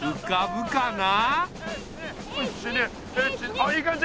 あっいい感じ。